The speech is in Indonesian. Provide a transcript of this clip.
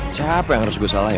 siapa yang harus gue salahin